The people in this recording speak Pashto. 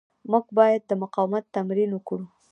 موږ باید د مقاومت تمرین وکړو.